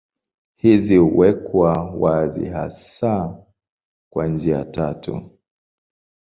Hizi huwekwa wazi hasa kwa njia tatu.